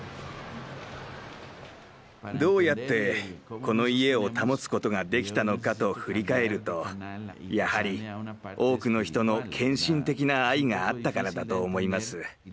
どうやってこの家を保つことができたのかと振り返るとやはり多くの人の献身的な愛があったからだと思います。